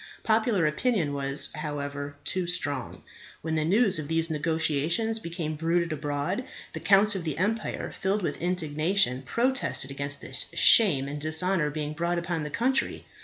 Popular opinion was, however, too strong. When the news of these negotiations became bruited abroad, the counts of the empire, filled with indignation, protested against this shame and dishonour being brought upon the country.